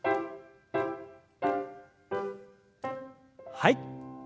はい。